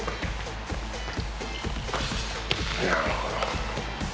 「なるほど」